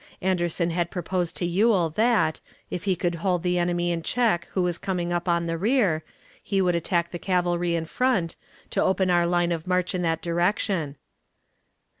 Anderson had proposed to Ewell that, if he would hold the enemy in check who was coming up on the rear, he would attack the cavalry in front, to open our line of march in that direction.